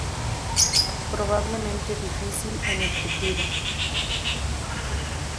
Probablemente "difícil" en el cultivo.